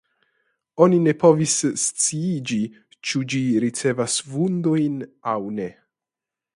Oni ne povis sciiĝi ĉu ĝi ricevas vundojn aŭ ne.